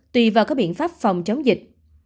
tùy vào các biện pháp phòng chống dịch